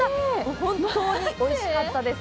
本当においしかったです！